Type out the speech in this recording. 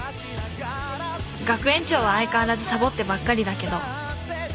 学園長は相変わらずサボってばっかりだけど。